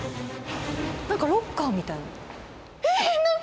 なんかロッカーみたいな。